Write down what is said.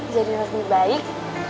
jadi lebih baik